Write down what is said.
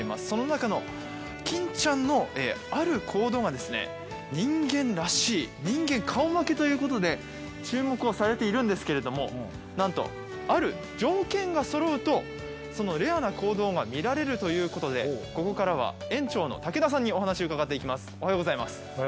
その中のキンちゃんのある行動が人間らしい、人間顔負けということで注目をされているんですけれども、なんと、ある条件がそろうとそのレアな行動が見られるということで、ここからは園長の竹田さんにお話を伺っていきます。